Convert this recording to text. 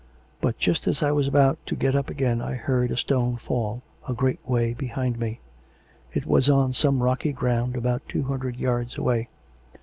But just as I was about to get up again I heard a stone fall a great way behind me: it was on some rocky ground about two hundred yards away.